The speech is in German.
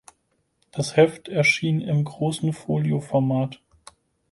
Das Heft erschien im großen Folio-Format.